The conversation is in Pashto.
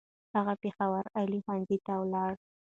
هغه پېښور عالي ښوونځی ته ولاړ.